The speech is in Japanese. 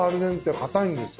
硬いんですよ。